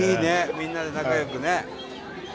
みんなで仲良くね。